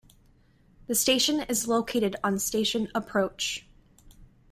The station is located on Station Approach.